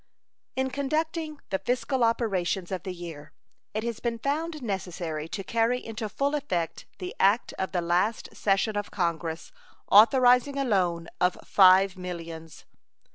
In conducting the fiscal operations of the year it has been found necessary to carry into full effect the act of the last session of Congress authorizing a loan of $5 millions.